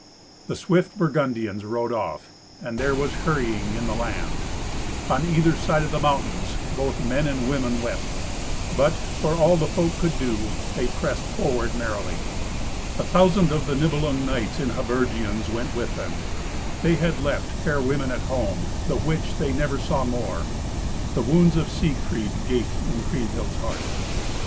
The swift Burgundians rode off, and there was hurrying in the land. On either side the mountains both men and women wept. But, for all the folk could do, they pressed forward merrily. A thousand of the Nibelung knights in habergeons went with them, that had left fair women at home, the which they never saw more. The wounds of Siegfried gaped in Kriemhild's heart.